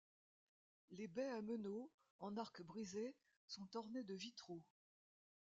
Les baies à meneau en arc brisé sont ornées de vitraux.